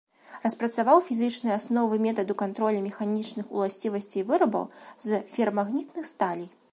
Распрацаваў фізічныя асновы метаду кантролю механічных уласцівасцей вырабаў з ферамагнітных сталей.